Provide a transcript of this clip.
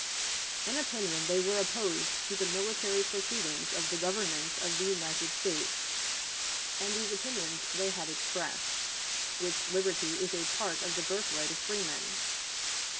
In opinion they were opposed to the military proceedings of the Government of the United States; and these opinions they had expressed, which liberty is a part of the birthright of freemen.